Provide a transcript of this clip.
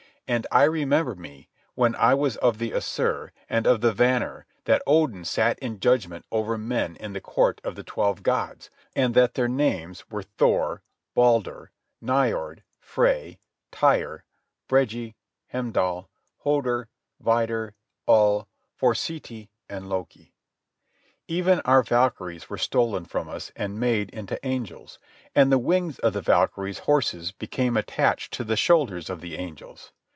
And I remember me, when I was of the Assir, and of the Vanir, that Odin sat in judgment over men in the court of the twelve gods, and that their names were Thor, Baldur, Niord, Frey, Tyr, Bregi, Heimdal, Hoder, Vidar, Ull, Forseti, and Loki. Even our Valkyries were stolen from us and made into angels, and the wings of the Valkyries' horses became attached to the shoulders of the angels.